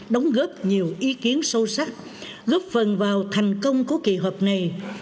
đóng góp nhiều ý kiến sâu sắc góp phần vào thành công của kỳ họp này